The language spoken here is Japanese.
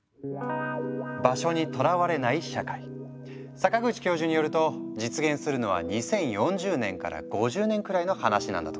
阪口教授によると実現するのは２０４０年から５０年くらいの話なんだとか。